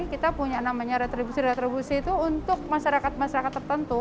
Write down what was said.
kita punya namanya retribusi retribusi itu untuk masyarakat masyarakat tertentu